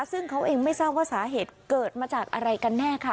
ซึ่งเขาเองไม่ทราบว่าสาเหตุเกิดมาจากอะไรกันแน่ค่ะ